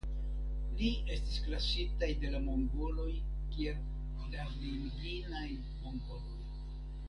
Ili estis klasitaj de la Mongoloj kiel Darliginaj Mongoloj.